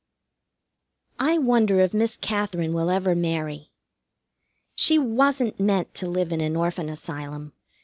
I wonder if Miss Katherine will ever marry. She wasn't meant to live in an Orphan Asylum.